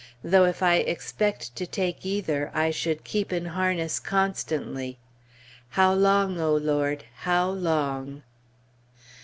Though if I expect to take either, I should keep in harness constantly. How long, O Lord! how long?